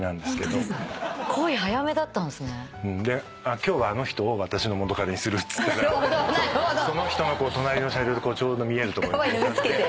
今日はあの人を私の元カレにするっつってその人の隣の車両でちょうど見えるところ。